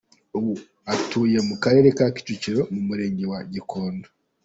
Ubu atuye mu karere ka Kicukiro mu murenge wa Gikondo.